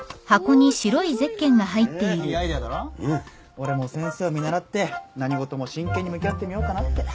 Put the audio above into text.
俺も先生を見習って何事も真剣に向き合ってみようかなって。